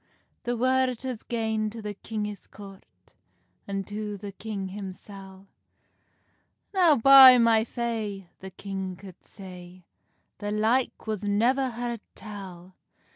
The word has gane to the kingis court, An to the king himsel; "Now, by my fay," the king could say, "The like was never heard tell!"